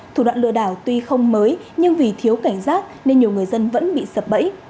thủ đoạn lừa đảo tuy không mới nhưng vì thiếu cảnh giác nên nhiều người dân vẫn bị sập bẫy